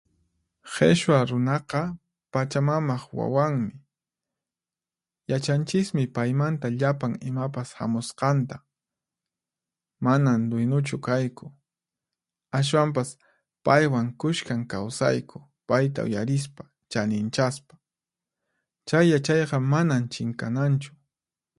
Qhichwa runaqa Pachamamaq wawanmi. Yachanchismi paymanta llapan imapas hamusqanta. Manan duiñuchu kayku, ashwanpas paywan kushkan kawsayku, payta uyarispa, chaninchaspa. Chay yachayqa manan chinkananchu.